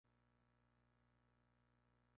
Usualmente sólo o en parejas.